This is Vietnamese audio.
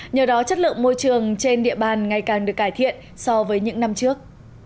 nhờ đó chất lượng môi trường trên địa bàn ngày càng được cải thiện so với những năm trước